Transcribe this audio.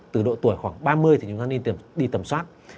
từ độ tuổi khoảng ba mươi thì chúng ta nên đi tầm soát